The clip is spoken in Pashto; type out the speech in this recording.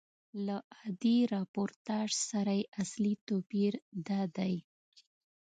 له عادي راپورتاژ سره یې اصلي توپیر دادی.